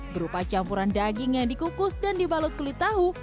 berupa campuran daging yang dikukus dan dibalut kulit tahu